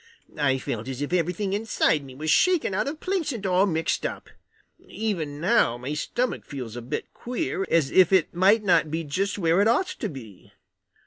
I felt as if everything inside me was shaken out of place and all mixed up. Even now my stomach feels a bit queer, as if it might not be just where it ought to be.